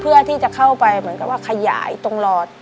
เพื่อที่จะเข้าไปเหมือนกับว่าขยายตรงหลอด